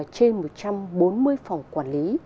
trên một trăm bốn mươi phòng quản lý